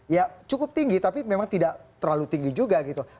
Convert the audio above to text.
ya cukup tinggi tapi memang tidak terlalu tinggi juga gitu